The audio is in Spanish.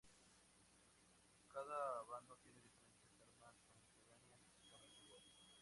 Cada bando tiene diferentes armas, aunque dañan exactamente igual.